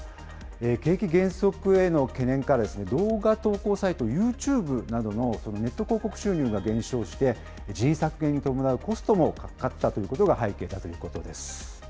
景気減速への懸念から、動画投稿サイト、ユーチューブなどのネット広告収入が減少して、人員削減に伴うコストも高かったということが背景だということです。